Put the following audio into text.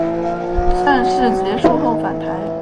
战事结束后返台。